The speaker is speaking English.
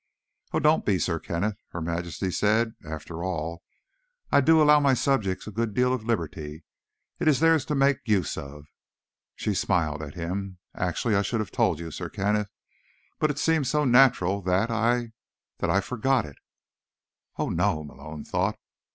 "Oh, don't be, Sir Kenneth," Her Majesty said. "After all, I do allow my subjects a good deal of liberty; it is theirs to make use of." She smiled at him. "Actually, I should have told you, Sir Kenneth. But it seemed so natural that I—that I forgot it." Oh, no, Malone thought.